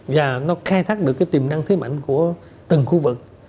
và nó khai thác được cái tiềm năng thế mạnh của từng khu vực